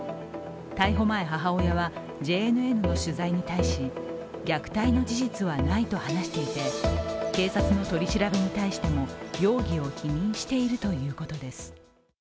逮捕前母親はＪＮＮの取材に対し虐待の事実はないと話していて警察の取り調べに対しても容疑を否認しているということです。